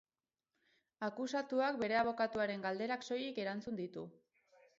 Akusatuak bere abokatuaren galderak soilik erantzun ditu.